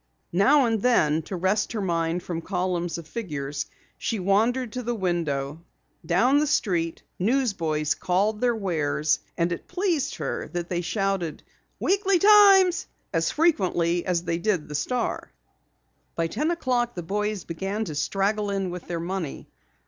Now and then, to rest her mind from columns of figures, she wandered to the window. Down the street, newsboys called their wares and it pleased her that they shouted the Weekly Times as frequently as they did the Star. By ten o'clock the boys began to straggle in with their money.